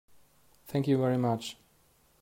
Thank you very much.